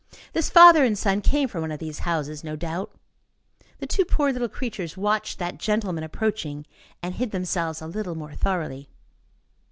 This father and son came from one of these houses, no doubt. The two poor little creatures watched "that gentleman" approaching, and hid themselves a little more thoroughly.